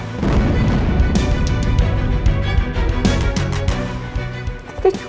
tapi juga takut bu